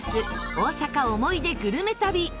大阪思い出グルメ旅。